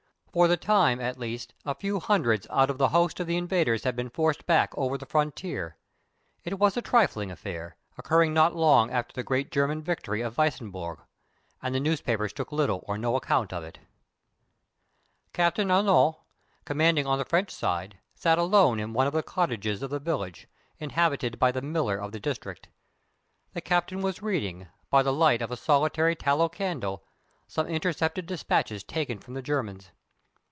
For the time, at least, a few hundreds out of the host of the invaders had been forced back over the frontier. It was a trifling affair, occurring not long after the great German victory of Weissenbourg, and the newspapers took little or no notice of it. Captain Arnault, commanding on the French side, sat alone in one of the cottages of the village, inhabited by the miller of the district. The Captain was reading, by the light of a solitary tallow candle, some intercepted dispatches taken from the Germans.